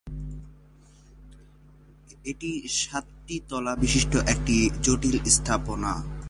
এটি সাতটি তলা-বিশিষ্ট একটি জটিল স্থাপনা।